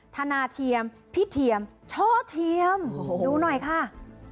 ธนาเทียมพี่เทียมช่อเทียมดูหน่อยค่ะ